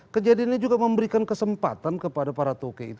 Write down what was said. kejadian ini juga memberikan kesempatan kepada para toke itu